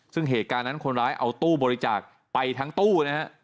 ซึ่งเหตุการณ์นั้นคนร้ายเอาตู้บริจาคไปทั้งตู้นะฮะ